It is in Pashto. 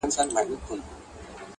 بیرته یوسه خپل راوړي سوغاتونه٫